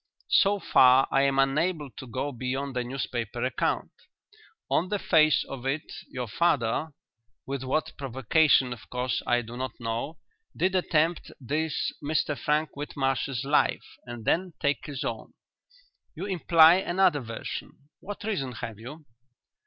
"So far I am unable to go beyond the newspaper account. On the face of it, your father with what provocation of course I do not know did attempt this Mr Frank Whitmarsh's life and then take his own. You imply another version. What reason have you?"